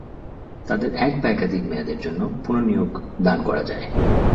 তাদের এক বা একাধিক মেয়াদের জন্য পুনঃনিয়োগ দান করা যায়।